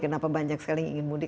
kenapa banyak sekali yang ingin mudik